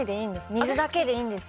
水だけでいいんです。